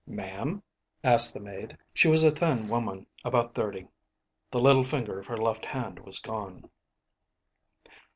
"Ma'am?" asked the maid. She was a thin woman, about thirty. The little finger of her left hand was gone.